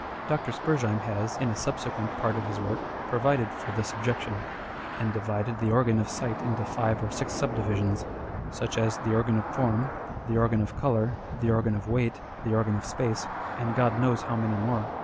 Dr. Spurz heim has, in a subsequent part of his work, provided for this objection, and divided the Organ of Sight into five or six subdivisions ; such as the Organ of Form, the Organ of Colour, the Organ of Weight, the Organ of Space, and God knows how many more.